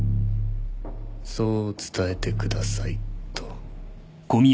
そう伝えてくださいと。